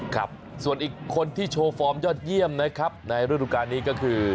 ครับส่วนอีกคนที่โชว์ฟอร์มยอดเยี่ยมนะครับในฤดูการนี้ก็คือ